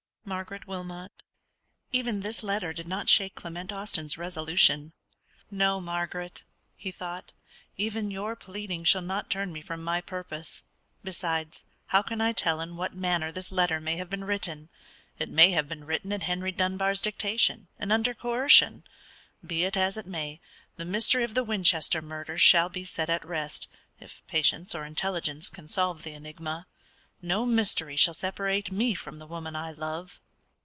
_ "MARGARET WILMOT." Even this letter did not shake Clement Austin's resolution. "No, Margaret," he thought; "even your pleading shall not turn me from my purpose. Besides, how can I tell in what manner this letter may have been written? It may have been written at Henry Dunbar's dictation, and under coercion. Be it as it may, the mystery of the Winchester murder shall be set at rest, if patience or intelligence can solve the enigma. No mystery shall separate me from the woman I love."